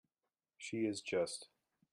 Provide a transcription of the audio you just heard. She is just.